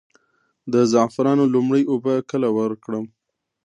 د زعفرانو لومړۍ اوبه کله ورکړم؟